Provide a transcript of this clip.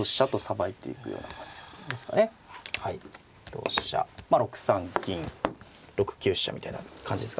同飛車６三金６九飛車みたいな感じですかね。